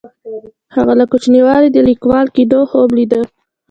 هغه له کوچنیوالي د لیکوال کیدو خوب لیده.